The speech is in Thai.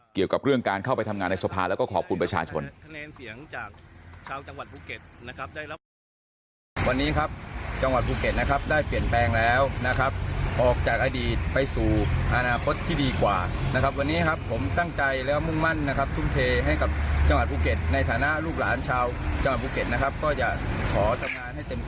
เกี่ยวกับเรื่องการเข้าไปทำงานในสภาแล้วก็ขอบคุณประชาชน